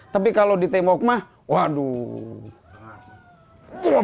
tapi kalau di tembok mah waduh